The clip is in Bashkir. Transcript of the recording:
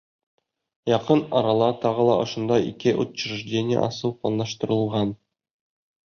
Яҡын арала тағы ла ошондай ике учреждение асыу планлаштырылған.